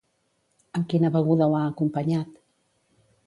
Amb quina beguda ho ha acompanyat?